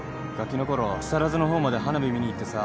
木更津の方まで花火見に行ってさ。